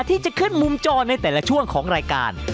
ที่จะขึ้นมุมจอในแต่ละช่วงของรายการ